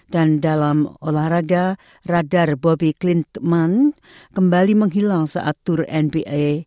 dan dalam olahraga radar bobby klintman kembali menghilang saat tur nba